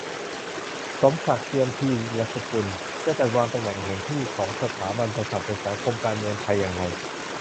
สมศักดิ์ เจียมธีรสกุล : จะจัดวางตำแหน่งแห่งที่ของสถาบันกษัตริย์ในสังคม-การเมืองไทยอย่างไร ?